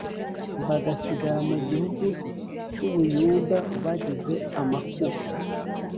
bagasigara mu gihugu cy u Buyuda bagize amakuba